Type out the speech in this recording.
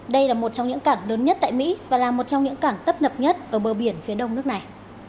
đây là một trong những cảng lớn nhất tại mỹ và là một trong những cảng tấp nập nhất ở bờ biển phía đông nước này